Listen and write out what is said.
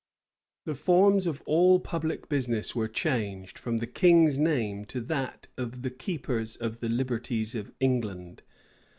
The forms of all public business were changed, from the king's name, to that of the keepers of the liberties of England.